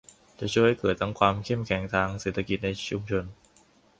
จะช่วยให้เกิดทั้งความเข้มแข็งทางเศรษฐกิจในชุมชน